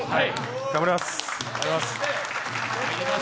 頑張ります。